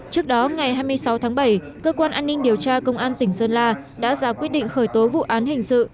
trước đó ngày hai mươi sáu tháng bảy cơ quan an ninh điều tra công an tỉnh sơn la đã ra quyết định khởi tố vụ án hình sự